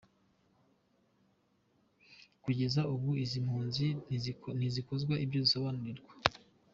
Kugeza ubu izi mpunzi ntizikozwa ibyo zisobanurirwa.